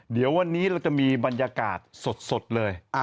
เดี๋ยววันนี้เราจะมีบรรยากาศสดเลย